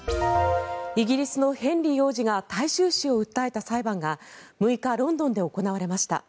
イギリスのヘンリー王子が大衆紙を訴えた裁判が６日、ロンドンで行われました。